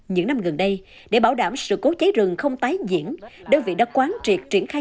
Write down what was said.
những năm gần đây để bảo đảm sự cố cháy rừng không tái diễn đơn vị đã quán triệt triển khai